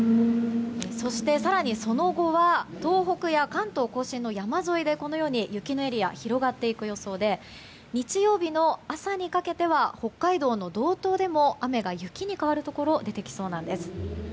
そして、更にその後は東北や関東・甲信の山沿いで雪のエリアが広がっていく予想で日曜日の朝にかけては北海道の道東でも雨が雪に変わるところが出てきそうなんです。